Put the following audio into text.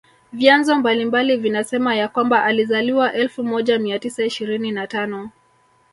Vyanzo mbalimbali vinasema ya kwamba alizaliwa elfu moja mia tisa ishirini na tano